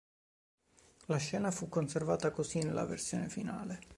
La scena fu conservata così nella versione finale.